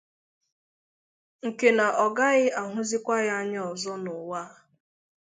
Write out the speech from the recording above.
nke na ọ gaghị ahụzịkwa ya anya ọzọ n'ụwa a.